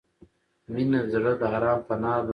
• مینه د زړه د آرام پناه ده.